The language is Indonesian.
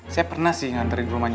saya pernah sih nganterin rumahnya